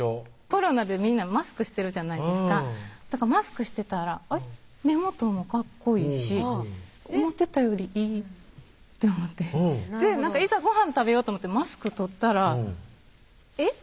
コロナでみんなマスクしてるじゃないですかだからマスクしてたら目元もかっこいいし思てたよりいいと思っていざごはん食べようと思ってマスク取ったらえっ？